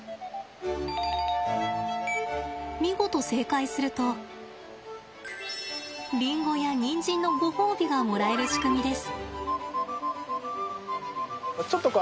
見事正解するとリンゴやニンジンのごほうびがもらえる仕組みです。